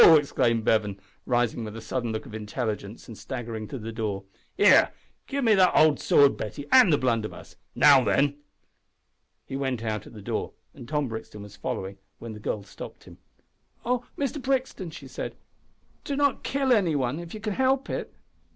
exclaimed Bevan, rising with a sudden look of intelligence and staggering to the door, "here, give me the old sword, Betty, and the blunderbuss. Now then." He went out at the door, and Tom Brixton was following, when the girl stopped him. "Oh! Mr Brixton," she said, "do not kill any one, if you can help it."